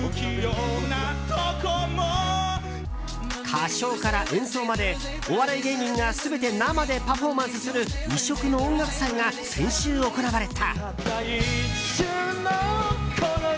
歌唱から演奏までお笑い芸人が全て生でパフォーマンスする異色の音楽祭が先週行われた。